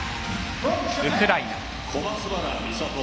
ウクライナ。